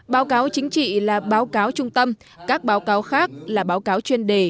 báo cáo chính trị là báo cáo trung tâm các báo cáo khác là báo cáo chuyên đề